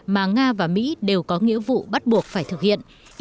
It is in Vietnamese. mà nga và mỹ đều có nghĩa vụ bắt buộc phải thực hiện